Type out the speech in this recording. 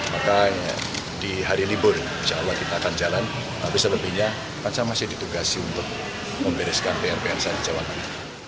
maka di hari libur jawa kita akan jalan habis selebihnya karena saya masih ditugasi untuk mempereskan prpr saya di jawa tengah